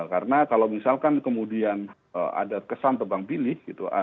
karena kalau misalkan kemudian ada kesan terbang pilih gitu